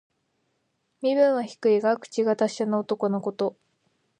身分は低いが、口が達者な男のこと。